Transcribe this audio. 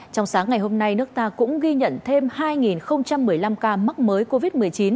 trong sáng ngày hôm nay nước ta cũng ghi nhận thêm hai một mươi năm ca mắc mới covid một mươi chín